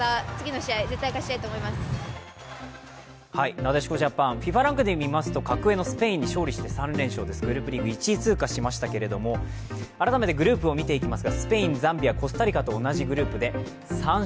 なでしこジャパンＦＩＦＡランクで見ますと格上のスペインに勝利して３連勝です、グループリーグ１位通過しましたけれども、改めてグループリーグを見ていきます。